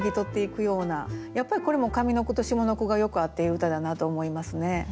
やっぱりこれも上の句と下の句がよく合っている歌だなと思いますね。